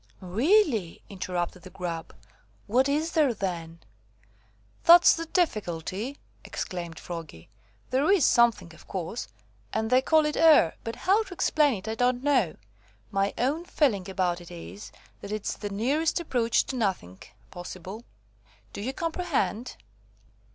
"Really!" interrupted the grub, "what is there then?" "That's the difficulty," exclaimed Froggy. "There is something, of course, and they call it air; but how to explain it I don't know. My own feeling about it is, that it's the nearest approach to nothing, possible. Do you comprehend?"